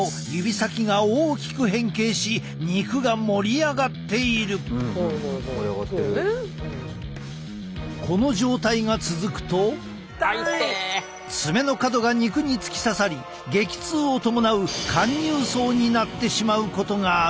爪がないためこの状態が続くと爪の角が肉に突き刺さり激痛を伴う陥入爪になってしまうことがある。